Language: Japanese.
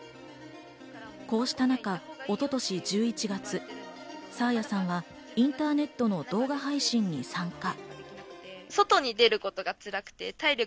こうした中、一昨年１１月、爽彩さんはインターネットの動画配信に参加。